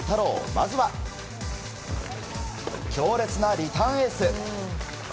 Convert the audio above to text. まずは、強烈なリターンエース。